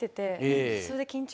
それで緊張。